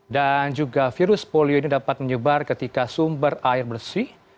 dan juga virus polio ini dapat menyebar ketika sumber air bersih